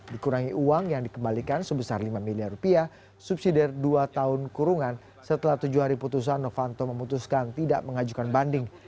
dikurangi uang yang dikembalikan sebesar lima miliar rupiah subsidi dua tahun kurungan setelah tujuh hari putusan novanto memutuskan tidak mengajukan banding